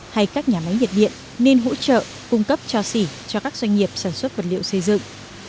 hay các nhà máy nhiệt điện nên hỗ trợ cung cấp cho xỉ cho các doanh nghiệp sản xuất vật liệu xây dựng